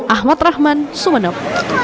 ahmad rahman sumenop